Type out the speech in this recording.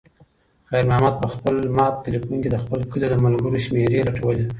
خیر محمد په خپل مات تلیفون کې د خپل کلي د ملګرو شمېرې لټولې.